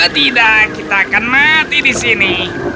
tidak kita akan mati di sini